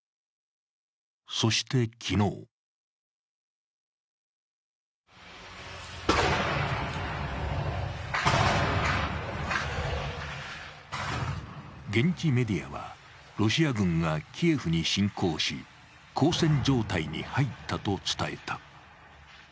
そして昨日現地メディアはロシア軍がキエフに侵攻し、交戦状態に入ったと伝えた。